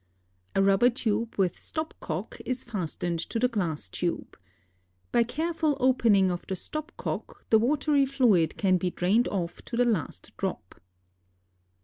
A rubber tube with stop cock is fastened to the glass tube. By careful opening of the stop cock, the watery fluid can be drained off to the last drop.